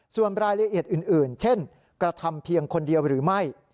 ส่วนรายละเอียดอื่นเช่นกระทำเพียงคนเดียวหรือไม่